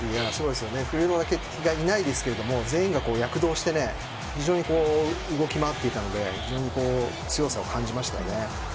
クリロナがいないですけど全員が躍動して非常に動き回っていたので非常に強さを感じましたね。